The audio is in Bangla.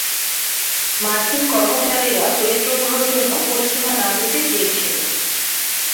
মার্কিন কর্মচারীরা চরিত্রগুলোর জন্য পশ্চিমা নাম দিতে চেয়েছিল।